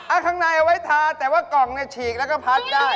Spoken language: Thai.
ข้างในเอาไว้ทาแต่ว่ากล่องเนี่ยฉีกแล้วก็พัดได้